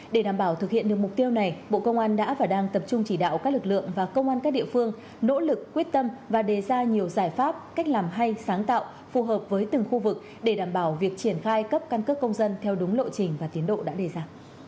để đảm bảo thực hiện được mục tiêu này bộ công an đã và đang tập trung chỉ đạo các lực lượng và công an các địa phương nỗ lực quyết tâm và đề ra nhiều giải pháp cách làm hay sáng tạo phù hợp với từng khu vực để đảm bảo việc triển khai cấp căn cước công dân theo đúng lộ trình và tiến độ đã đề ra